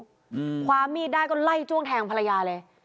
อืมคว้ามีดได้ก็ไล่จ้วงแทงภรรยาเลย